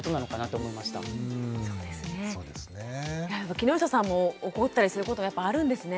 木下さんも怒ったりすることやっぱあるんですね。